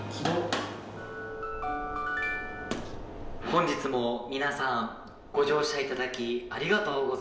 「本日も皆さんご乗車いただきありがとうございます。